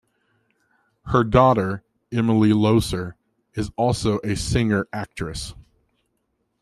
Her daughter, Emily Loesser, is also a singer-actress.